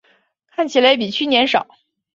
看起来比去年少